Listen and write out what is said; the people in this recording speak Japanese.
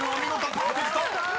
パーフェクト！］